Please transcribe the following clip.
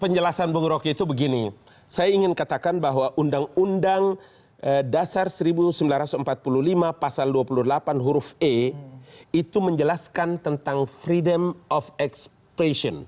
penjelasan bung roky itu begini saya ingin katakan bahwa undang undang dasar seribu sembilan ratus empat puluh lima pasal dua puluh delapan huruf e itu menjelaskan tentang freedom of expression